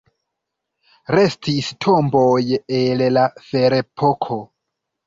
Restis tomboj el la ferepoko.